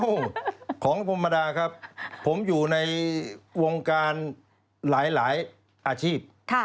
โอ้โหของธรรมดาครับผมอยู่ในวงการหลายอาชีพ